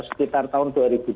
sekitar tahun dua ribu dua puluh